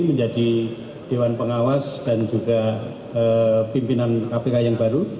menjadi dewan pengawas dan juga pimpinan kpk yang baru